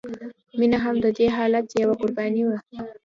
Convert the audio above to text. مینه هم د دې حالت یوه قرباني وه